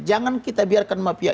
jangan kita biarkan mafia